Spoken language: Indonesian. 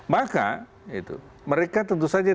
maka mereka tentu saja